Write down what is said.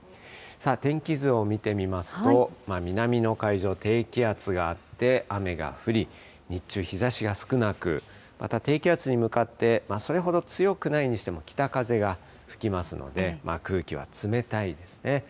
天気図を見てみますと、南の海上、低気圧があって雨が降り、日中、日ざしが少なく、また低気圧に向かってそれほど強くないにしても北風が吹きますので、空気は冷たいですね。